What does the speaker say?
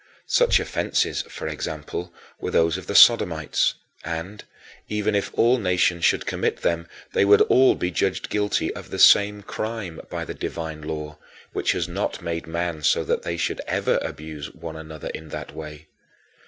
Such offenses, for example, were those of the Sodomites; and, even if all nations should commit them, they would all be judged guilty of the same crime by the divine law, which has not made men so that they should ever abuse one another in that way.